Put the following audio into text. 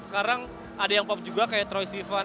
sekarang ada yang pop juga kayak troy sivan